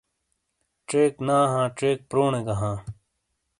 چیک نا ہاں چیک پرونے گہ ہاں۔